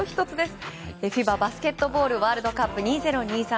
ＦＩＢＡバスケットボールワールドカップ２０２３。